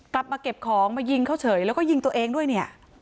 กลับมาเก็บของมายิงเขาเฉยแล้วก็ยิงตัวเองด้วยเนี่ย